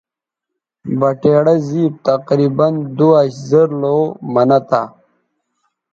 بٹیڑہ زِیب تقریباً دواش زر لَو منہ تھا